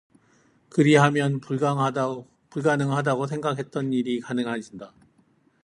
그리하면 불가능하다고 생각했던 일이 가능해진다.